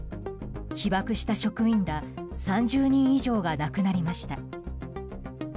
被ばくした職員ら３０人以上が亡くなりました。